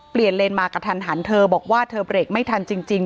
เปลี่ยนเลนมากันทันเธอบอกว่าเธอเบรกไม่ทันจริง